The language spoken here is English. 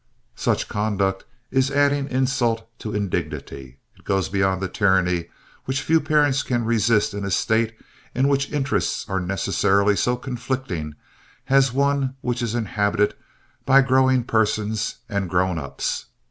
Such conduct is adding insult to indignity. It goes beyond the tyranny which few parents can resist in a state in which interests are necessarily so conflicting as one which is inhabited by growing persons and grown ups.